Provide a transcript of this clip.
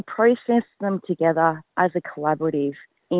kami akan mengelakkan hal hal bersama sebagai kolaborasi